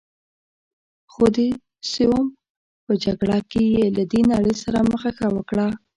خو د سوم په جګړه کې یې له دې نړۍ سره مخه ښه وکړه.